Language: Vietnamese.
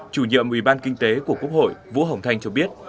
chủ nhiệm ủy ban kinh tế của quốc hội vũ hồng thanh cho biết